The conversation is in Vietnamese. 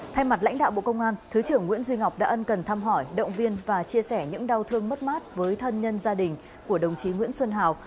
thay mặt lãnh đạo bộ công an thứ trưởng nguyễn duy ngọc đã ân cần thăm hỏi động viên và chia sẻ những đau thương mất mát với thân nhân gia đình của đồng chí nguyễn xuân hào